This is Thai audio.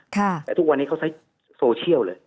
แต่ทุกวันนี้เขาใช้โซเชียลเลย